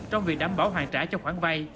trong việc đảm bảo hoàn trả cho khoản vai